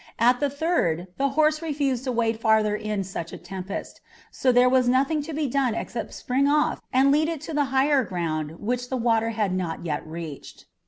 At the third the horse refused to wade farther in such a tempest, so there was nothing to be done except spring off and lead it to the higher ground which the water had not yet reached.